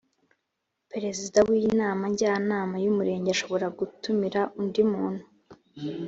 perezida w inama njyanama y umurenge ashobora gutumira undi muntu